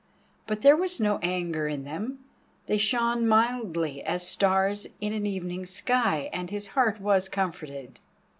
But there was no anger in them, they shone mildly as stars in an evening sky, and his heart was comforted.